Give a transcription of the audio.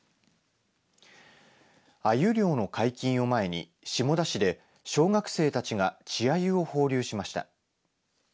あゆ漁の解禁を前に下田市で小学生たちが稚あゆを放流しました。